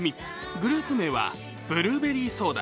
グループ名はブルーベリーソーダ。